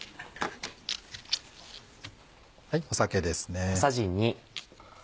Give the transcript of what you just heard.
酒ですね。